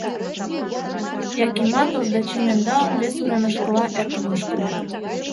Якимат, Овдачим ӧндалын, вес уремышкыла эркын ошкыльо.